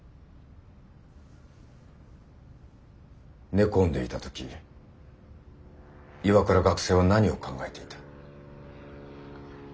寝込んでいた時岩倉学生は何を考えていた？